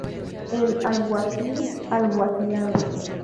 El alguacil alguacilado